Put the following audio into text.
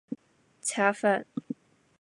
恰饭